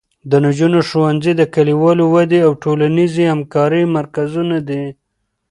د نجونو ښوونځي د کلیوالو ودې او ټولنیزې همکارۍ مرکزونه دي.